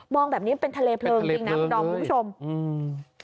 องแบบนี้เป็นทะเลเพลิงจริงนะคุณดอมคุณผู้ชมอืม